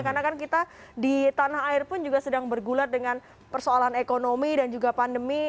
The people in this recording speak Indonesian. karena kan kita di tanah air pun juga sedang bergulat dengan persoalan ekonomi dan juga pandemi